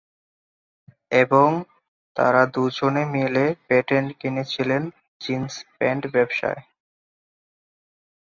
এবং তার দু’জনে মিলে প্যাটেন্ট কিনে ছিলেন জিন্স প্যান্ট ব্যবসার।